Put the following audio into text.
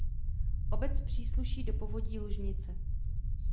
Obec přísluší do povodí Lužnice.